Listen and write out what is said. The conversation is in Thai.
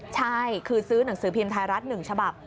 ใช่คือซื้อหนังสือพิมพ์ไทยรัฐ๑ฉบับ